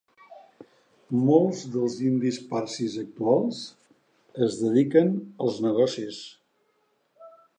Molts dels indis parsis actuals es dediquen als negocis.